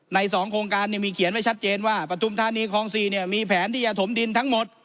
ในสองโครงการเนี่ยมีเขียนไว้ชัดเจนว่าประทุมธานีคลองสี่เนี่ยมีแผนที่จะถมดินทั้งหมด